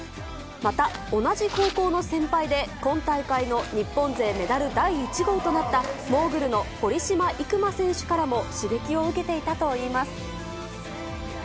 また、同じ高校の先輩で、今大会の日本勢メダル第１号となった、モーグルの堀島行真選手からも刺激を受けていたといいます。